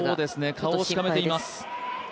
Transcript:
顔をしかめています。